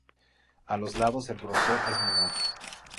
A los lados el grosor es menor.